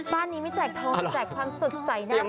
บ้านนี้ไม่จักทองไม่จักความสุดใสน่ารักมาก